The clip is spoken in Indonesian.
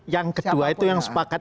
yang kedua itu yang sepakat